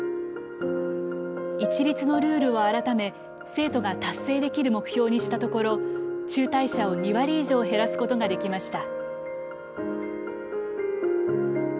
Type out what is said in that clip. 一律のルールを改め、生徒が達成できる目標にしたところ中退者を２割以上減らすことができました。